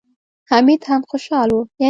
حميد هم خوشاله و.